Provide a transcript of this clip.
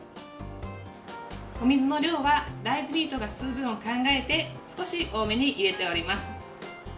お水の量は大豆ミートが吸う分を考えて少し多めに入れております。